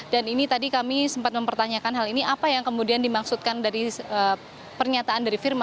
dan ini tadi kami sempat mempertanyakan hal ini apa yang kemudian dimaksudkan dari pernyataan dari firman